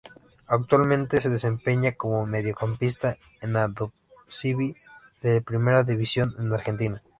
Actualmente se desempeña como Mediocampista en Aldosivi de la Primera División de Argentina.